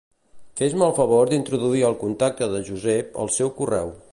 Fes-me el favor d'introduir al contacte de Josep el seu correu.